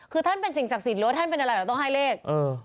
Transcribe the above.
คือท่านเป็นสิ่งศักดิ์สิทธิ์หรือว่าท่านเป็นอะไรเราต้องให้เลข